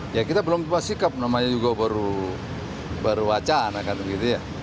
ya kita belum punya sikap namanya juga baru wacana kan begitu ya